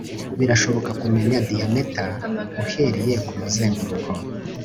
birashoboka kumenya diameter uhereye kumuzenguruko